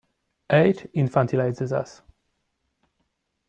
Age infantilizes us.